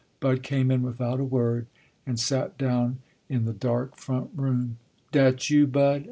Bud came in without a word and sat down in the dark front room. "Dat you, Bud?"